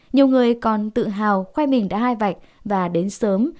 nhiều người còn tự hào khoe mình đã hai vạch và đến sớm